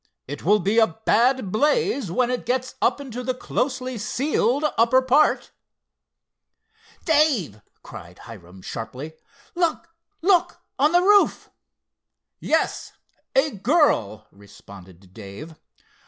It will be a bad blaze when it gets up into the closely sealed upper part." "Dave," cried Hiram sharply—"look, look, on the roof!" "Yes—a girl," responded Dave.